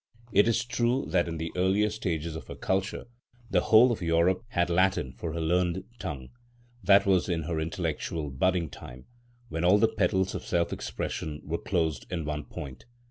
It is true that in the earlier stages of her culture the whole of Europe had Latin for her learned tongue. That was in her intellectual budding time, when all her petals of self expression were closed in one point.